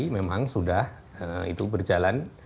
memang sudah itu berjalan